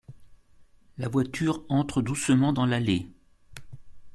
La voiture entre doucement dans l'allée.